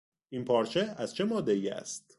این پارچه از چه مادهای است؟